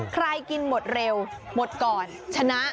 ใครกินหมดเร็วหมดก่อนชนะ